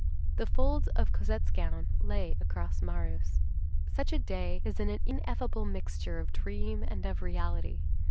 The folds of Cosette's gown lay across Marius. Such a day is an ineffable mixture of dream and of reality.